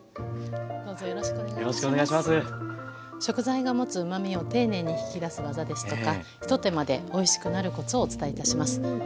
食材が持つうまみを丁寧に引き出す技ですとか一手間でおいしくなるコツをお伝えいたします。